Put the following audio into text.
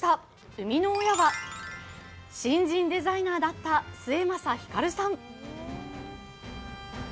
生みの親は新人デザイナーだった末政ひかるさん。